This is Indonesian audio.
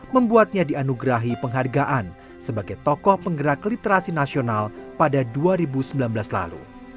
membuatnya dianugerahi penghargaan sebagai tokoh penggerak literasi nasional pada dua ribu sembilan belas lalu